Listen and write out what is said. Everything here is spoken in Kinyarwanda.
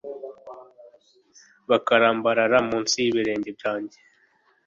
bakarambarara mu nsi y’ibirenge byanjye